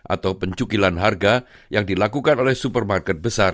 atau pencukilan harga yang dilakukan oleh supermarket besar